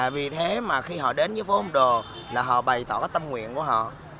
vì thế mà khi họ đến với phố ông đồ là họ bày tỏ cái tâm nguyện của họ